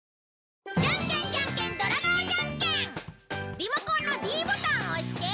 リモコンのｄボタンを押して。